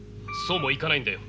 そうもいかないんだよ。